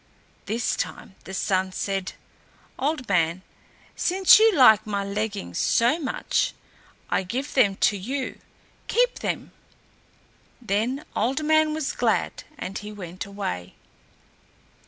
This time the Sun said, "Old Man, since you like my leggings so much, I give them to you. Keep them." Then Old Man was glad and he went away.